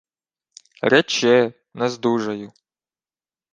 — Рече, нездужаю.